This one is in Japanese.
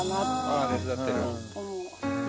ああ手伝ってる。